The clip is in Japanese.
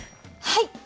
はい。